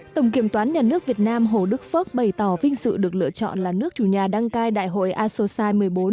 tổng kiểm toán nhà nước việt nam hồ đức phước bày tỏ vinh dự được lựa chọn là nước chủ nhà đăng cai đại hội asosion một mươi bốn